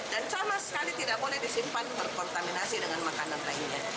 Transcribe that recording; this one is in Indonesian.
dan sama sekali tidak boleh disimpan berkontaminasi dengan makanan lainnya